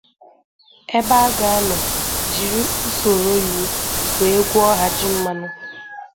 ebe a ga-anọ jiri usoro iwu wee gwọọ ha ji mmanụ.